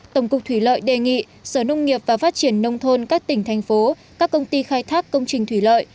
tổng cục thủy lợi đề nghị sở nông nghiệp và phát triển nông thôn các tỉnh thành phố các công ty khai thác công trình thủy lợi